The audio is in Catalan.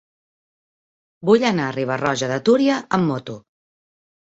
Vull anar a Riba-roja de Túria amb moto.